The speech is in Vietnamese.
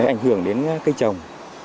ảnh hưởng đến cây trồng